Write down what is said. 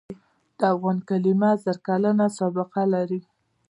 د افغان کلمه زر کلنه سابقه لري.